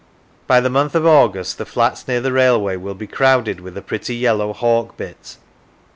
By the month of August the flats near the railway will be crowded with a pretty yellow hawkbit.